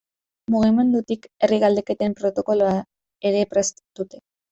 Mugimendutik herri galdeketen protokoloa ere prest dute.